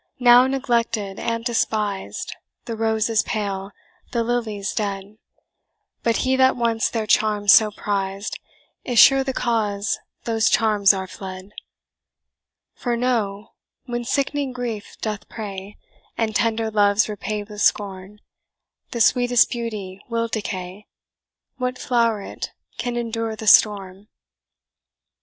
now neglected and despised, The rose is pale, the lily's dead; But he that once their charms so prized, Is sure the cause those charms are fled. "For know, when sick'ning grief doth prey, And tender love's repaid with scorn, The sweetest beauty will decay, What floweret can endure the storm?